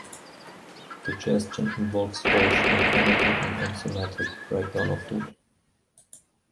Digestion involves both mechanical and enzymatic breakdown of food.